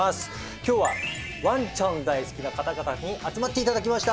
今日はワンちゃん大好きな方々に集まっていただきました！